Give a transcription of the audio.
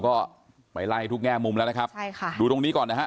ก็ไปไล่ทุกแง่มุมแล้วนะครับใช่ค่ะดูตรงนี้ก่อนนะฮะ